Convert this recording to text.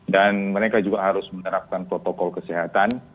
dan mereka juga harus menerapkan protokol kesehatan